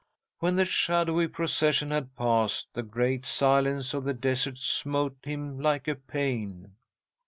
When the shadowy procession had passed, the great silence of the desert smote him like a pain.